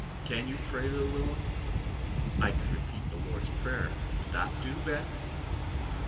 Can you pray, little Will'm?" "I can repeat the Lord's Prayer. Would that do, Ben?"